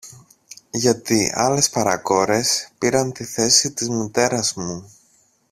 Γιατί άλλες παρακόρες πήραν τη θέση της μητέρας μου